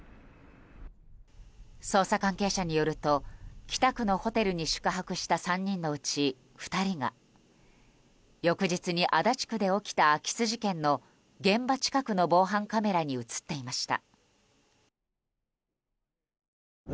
捜査関係者によると北区のホテルの宿泊した、３人のうち２人が翌日に足立区で起きた空き巣事件の現場近くの防犯カメラに映っていました。